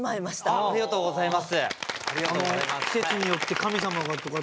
ありがとうございます。